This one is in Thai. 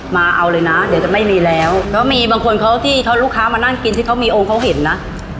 มาเอาเลยนะเดี๋ยวจะไม่มีแล้วก็มีบางคนเขาที่เขาลูกค้ามานั่งกินที่เขามีองค์เขาเห็นนะ